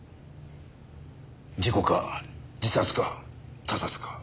事故か自殺か他殺か。